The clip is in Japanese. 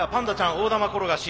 大玉転がし